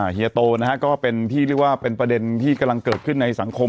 เฮียโตนะฮะก็เป็นที่เรียกว่าเป็นประเด็นที่กำลังเกิดขึ้นในสังคม